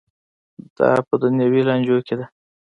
دا په دنیوي لانجو کې ده.